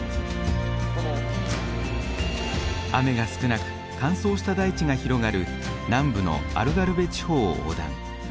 雨が少なく乾燥した大地が広がる南部のアルガルヴェ地方を横断。